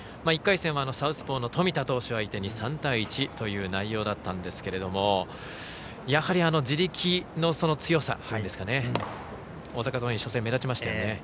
１回戦は、サウスポーの冨田投手相手に３対１という内容だったんですけれどもやはり自力の強さというんですか大阪桐蔭、初戦目立ちましたよね。